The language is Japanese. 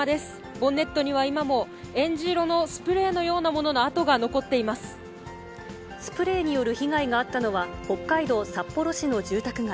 ボンネットには今もえんじ色のスプレーのようなものの跡が残ってスプレーによる被害があったのは、北海道札幌市の住宅街。